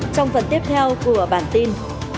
trong phần tiếp theo của bản tin